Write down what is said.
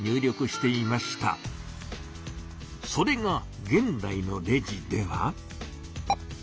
それが現代のレジでは。